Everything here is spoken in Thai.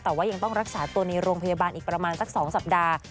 แต่ว่ายังต้องรักษาตัวในโรงพยาบาลอีกประมาณสัก๒สัปดาห์